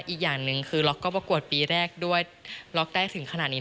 อีกอย่างหนึ่งคือล็อกก็ประกวดปีแรกด้วยล็อกได้ถึงขนาดนี้